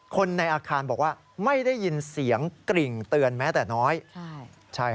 คนในอาคารบอกว่าไม่ได้ยินเสียงกริ่งเตือนแม้แต่น้อย